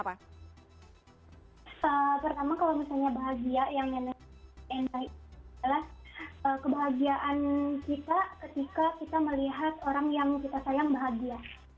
pertama kalau misalnya bahagia yang nenek itu adalah kebahagiaan kita ketika kita melihat orang yang kita sayang bahagia